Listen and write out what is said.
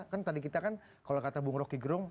kan tadi kita kan kalau kata bu nguruh kigrung